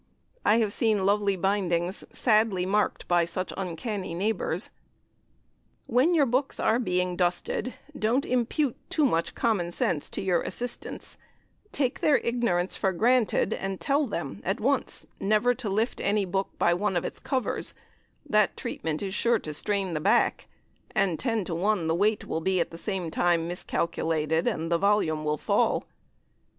I have seen lovely bindings sadly marked by such uncanny neighbours. When your books are being "dusted," don't impute too much common sense to your assistants; take their ignorance for granted, and tell them at once never to lift any book by one of its covers; that treatment is sure to strain the back, and ten to one the weight will be at the same time miscalculated, and the volume will fall.